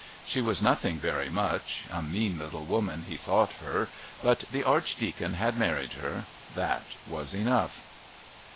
She was nothing very much "a mean little woman," he thought her but the Archdeacon had married her. That was enough.